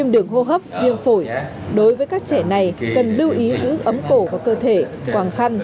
đường hô hấp viêm phổi đối với các trẻ này cần lưu ý giữ ấm cổ và cơ thể quảng khăn